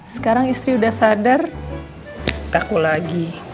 sekarang istri sudah sadar kaku lagi